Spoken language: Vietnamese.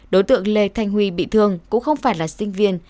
đối tượng lê thanh huy bị thương cũng không phải là sinh viên